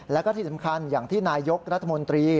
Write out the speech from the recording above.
แล้วก็ที่สำคัญอย่างที่นายยกรัฐมนตรี